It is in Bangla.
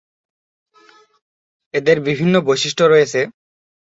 এদের বিভিন্ন বৈশিষ্ট্য রয়েছে।